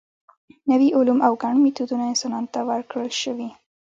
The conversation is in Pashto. نوي علوم او ګڼ میتودونه انسانانو ته ورکړل شوي.